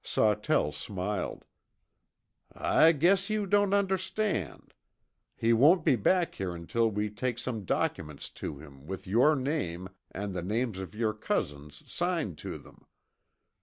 Sawtell smiled. "I guess you don't understand. He won't be back here until we take some documents to him with your name and the names of your cousins signed to them."